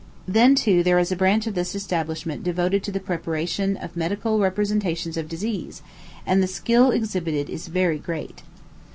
Then, too, there is a branch of this establishment devoted to the preparation of medical representations of disease, and the skill exhibited is very great.